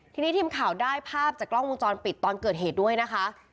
ทีนี้ทีมข่าวได้ภาพจากกล้องวงจรปิดตอนเกิดเหตุด้วยนะคะ